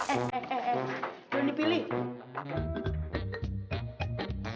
eh eh eh doni pilih